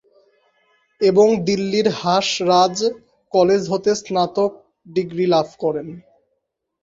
এবং দিল্লির হাঁস রাজ কলেজ হতে স্নাতক ডিগ্রি লাভ করেন।